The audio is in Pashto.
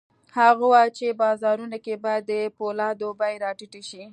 هغه وویل په بازارونو کې باید د پولادو بيې را ټیټې شي